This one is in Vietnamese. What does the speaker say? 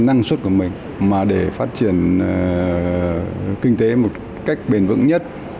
năng suất của mình mà để phát triển kinh tế một cách bền vững nhất